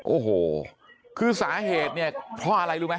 โอ้โหคือสาเหตุเนี่ยเพราะอะไรรู้ไหม